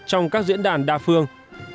trong các diễn đàn đa phương